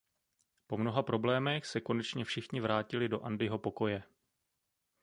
Po mnoha problémech se konečně všichni vrátili do Andyho pokoje.